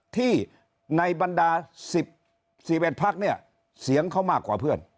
ที่ในบรรดา๑๑พักเนี่ยเสียงเขามากกว่าเพื่อน